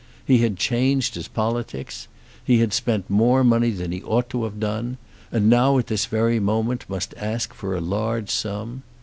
He had changed his politics. He had spent more money than he ought to have done, and now at this very moment must ask for a large sum.